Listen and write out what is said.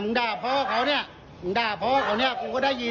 มึงด่าเพราะเขาเนี่ยมึงด่าเพราะเขาเนี่ยกูก็ได้ยินเนี่ย